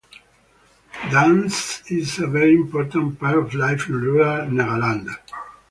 Dance is a very important part of life in rural Nagaland.